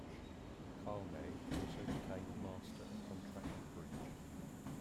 Kalme also became a master of contract bridge.